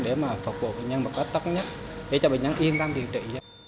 để mà phục vụ bệnh nhân một cách tốt nhất để cho bệnh nhân yên tâm điều trị